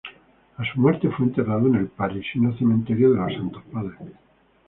A su muerte fue enterrado en el parisino cementerio de los Santos Padres.